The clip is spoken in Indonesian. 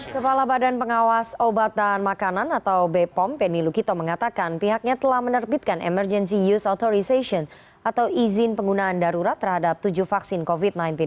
kepala badan pengawas obat dan makanan atau bepom penny lukito mengatakan pihaknya telah menerbitkan emergency use authorization atau izin penggunaan darurat terhadap tujuh vaksin covid sembilan belas